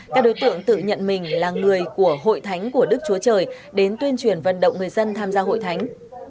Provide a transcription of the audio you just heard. các đối tượng tự nhận mình là người của hội thánh của đức chúa trời đến tuyên truyền vận động người dân tham gia hội thánh